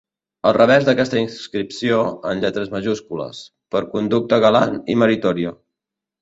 Al revers d'aquesta inscripció, en lletres majúscules: Per conducta galant i meritòria.